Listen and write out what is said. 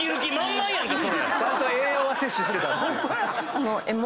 ちゃんと栄養は摂取してたっていう。